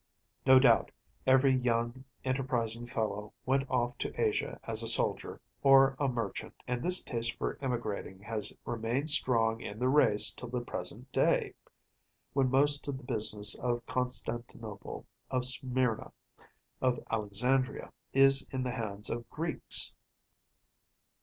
No doubt, every young enterprising fellow went off to Asia as a soldier or a merchant; and this taste for emigrating has remained strong in the race till the present day, when most of the business of Constantinople, of Smyrna, and of Alexandria is in the hands of Greeks.